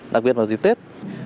đặc biệt vào dịp tết